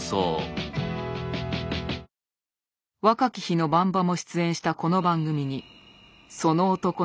若き日の番場も出演したこの番組にその男の姿があった。